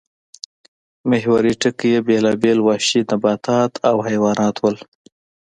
محوري ټکی یې بېلابېل وحشي نباتات او حیوانات وو